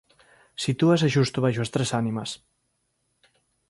Sitúase xusto baixo as tres ánimas.